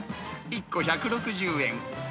１個１６０円。